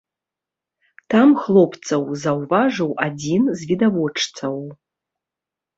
Там хлопцаў заўважыў адзін з відавочцаў.